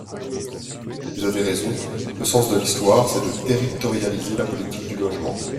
Vous avez raison, le sens de l’histoire, c’est de territorialiser la politique du logement.